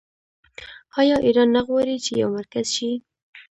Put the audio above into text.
آیا ایران نه غواړي چې یو مرکز شي؟